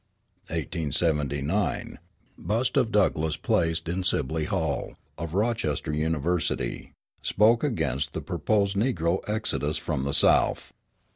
1879 Bust of Douglass placed in Sibley Hall, of Rochester University. Spoke against the proposed negro exodus from the South.